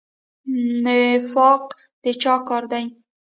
نفاق د چا کار دی؟